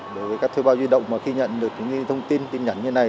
đối với các thiết bị di động mà khi nhận được những cái thông tin tin nhắn như thế này